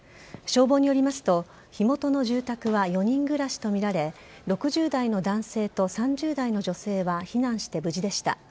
消防によりますと火元の住宅は４人暮らしとみられ６０代の男性と３０代の女性は避難して無事でした。